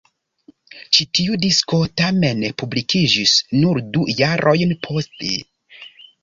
Ĉi tiu disko tamen publikiĝis nur du jarojn poste.